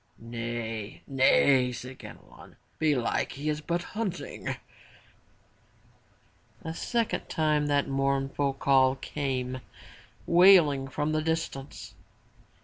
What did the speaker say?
'* "Nay! nay!" said Ganelon, '* belike he is but hunting/' A second time that mournful call came wailing from the distance.